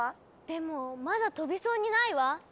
でもまだ飛びそうにないわ。